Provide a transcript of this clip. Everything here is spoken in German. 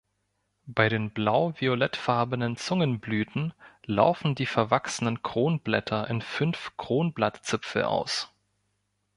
Bei den blau-violettfarbenen Zungenblüten laufen die verwachsenen Kronblätter in fünf Kronblattzipfel aus.